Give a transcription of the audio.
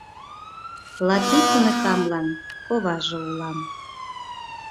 Латик уныкамлан коваже улам.